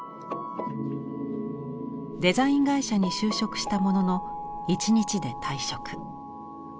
デザイン会社に就職したものの１日で退職。